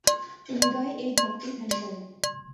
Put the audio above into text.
হৃদয়ে এই ভাবটি ধ্যান কর।